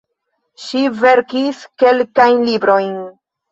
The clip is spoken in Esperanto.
Ŝi verkis kelkajn librojn.